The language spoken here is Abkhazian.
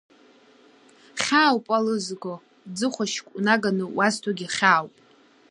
Хьаауп уалызго ӡыхәашьк, унаганы уазҭогьы хьаауп.